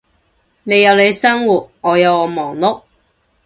你有你生活，我有我忙碌